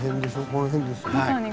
この辺ですよね。